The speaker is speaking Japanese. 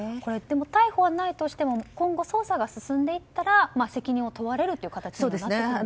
逮捕はないとしても今後、捜査が進んでいったら責任を問われるという形になるんですか？